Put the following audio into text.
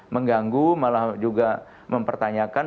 mengganggu malah juga mempertanyakan